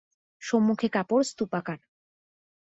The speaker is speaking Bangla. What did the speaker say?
সম্মুখে কাপড় স্তূপাকার।